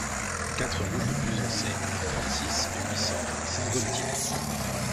quatre route de Buzançais, trente-six, huit cents, Saint-Gaultier